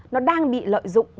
nó đang bị lợi dụng